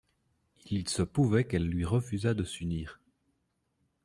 Il se pouvait qu'elle lui refusât de s'unir.